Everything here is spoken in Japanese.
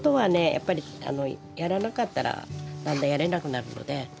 やっぱりやらなかったらだんだんやれなくなるので。